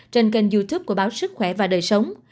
trên kênh youtube của báo sức khỏe và đời sống